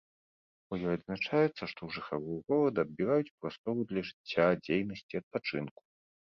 У ёй адзначаецца, што ў жыхароў горада адбіраюць прастору для жыцця, дзейнасці, адпачынку.